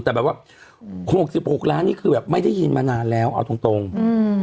แต่แบบว่าหกสิบหกล้านนี่คือแบบไม่ได้ยินมานานแล้วเอาตรงตรงอืม